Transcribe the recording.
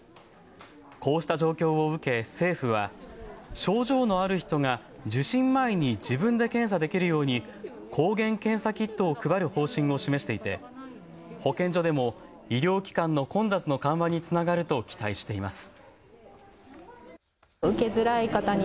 こうした状況を受け政府は症状のある人が受診前に自分で検査できるように抗原検査キットを配る方針を示していて保健所でも医療機関の混雑の緩和につながると期待しています。